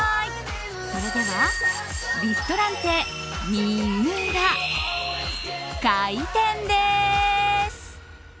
それではリストランテＭＩＵＲＡ開店です。